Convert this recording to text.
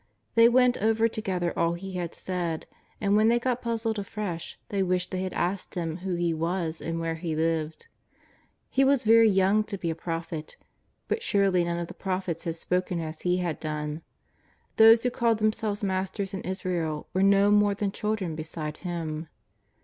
They went over together all He had said, and when they got puzzled afresh they wished they had asked Ilim who He was and where He lived. He was very young to be a prophet, but surely none of the pro phets had spoken as He had done; those who called themselves masters in Israel were no more than chil dren beside Him.